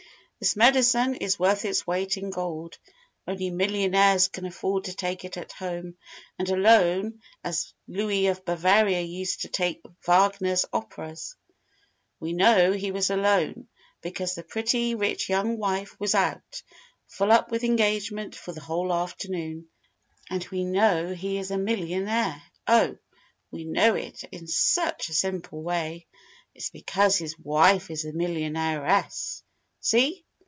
_ "_This medicine is worth its weight in gold. Only millionaires can afford to take it at home, and alone, as Louis of Bavaria used to take Wagner's operas._ "_We know he was alone, because the pretty, rich young wife was out, full up with engagements for the whole afternoon. And we know he is a millionaire oh, we know it in such a simple way! It's because his wife is a millionairess. See?